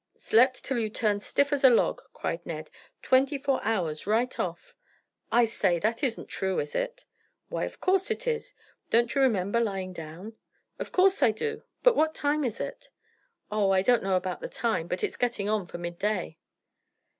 "Slept till you've turned stiff as a log," cried Ned. "Twenty four hours right off." "I say, that isn't true, is it?" "Why, of course it is. Don't you remember lying down?" "Of course I do. But what time is it?" "Oh, I don't know about the time, but it's getting on for mid day."